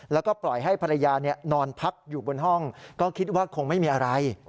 แล้วก็ปล่อยให้ภรรยานอนพักอยู่บนห้องก็คิดว่าคงไม่มีอะไร